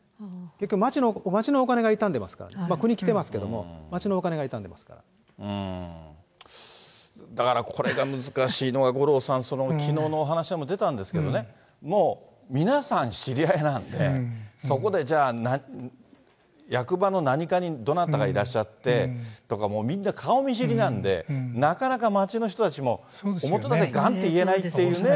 結局、町のお金が痛んでますから、国にきてますけども、町のお金が痛んだから、これが難しいのは、五郎さん、きのうのお話でも出たんですけどね、もう、皆さん知り合いなんで、そこでじゃあ、役場の何課にどなたがいらっしゃって、とか、みんな顔見知りなんで、なかなか町の人たちも、表立ってがんっと言えないというね。